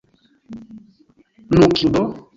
Nu, kiu do?